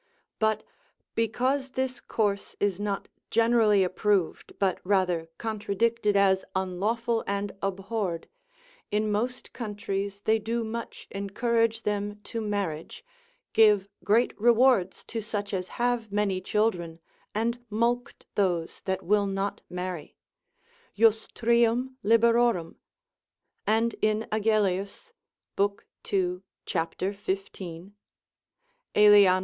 But, because this course is not generally approved, but rather contradicted as unlawful and abhorred, in most countries they do much encourage them to marriage, give great rewards to such as have many children, and mulct those that will not marry, Jus trium liberorum, and in Agellius, lib. 2. cap. 15. Elian.